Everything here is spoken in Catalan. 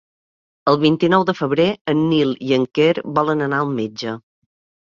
El vint-i-nou de febrer en Nil i en Quer volen anar al metge.